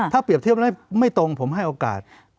ถ้าเปรียบเทียบแล้วไม่ตรงผมให้โอกาส